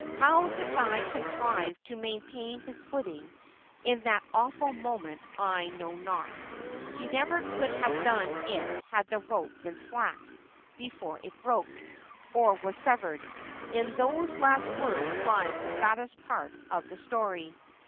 How the guide contrived to main tain his footing in that awful moment I know not. He never could have done it had the rope been slack before it broke — or was severed. In those last words lies the saddest part of the story.